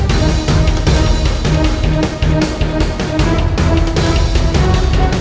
kanda akan menanyakannya kepada mereka